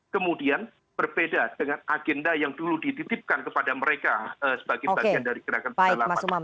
kemudian berbeda dengan agenda yang dulu dititipkan kepada mereka sebagai bagian dari gerakan pedalaman